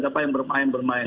siapa yang bermain bermain